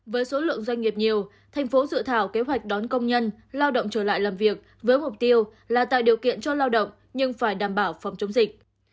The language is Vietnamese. với số lượng doanh nghiệp nhiều thành phố dự thảo kế hoạch đón công nhân lao động trở lại làm việc với mục tiêu là tạo điều kiện cho lao động nhưng phải đảm bảo phòng chống dịch